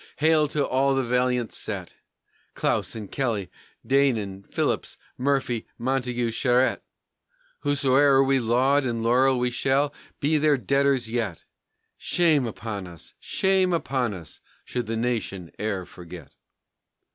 hail to all the valiant set! Clausen, Kelly, Deignan, Phillips, Murphy, Montagu, Charette! Howsoe'er we laud and laurel we shall be their debtors yet! Shame upon us, shame upon us, should the nation e'er forget!